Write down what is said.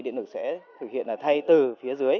điện lực sẽ thực hiện là thay từ phía dưới